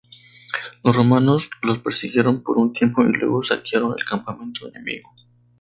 Los romanos los persiguieron por un tiempo, y luego saquearon el campamento enemigo.